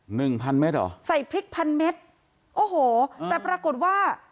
หนึ่งพันเมตรเหรอใส่พริกพันเม็ดโอ้โหแต่ปรากฏว่า